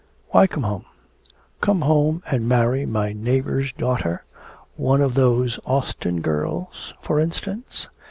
'Why come home? Come home and marry my neighbour's daughter one of those Austin girls, for instance?